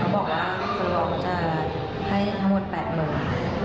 เขาบอกว่าคุณรอบจะให้ทั้งหมด๘๐๐๐๐บาท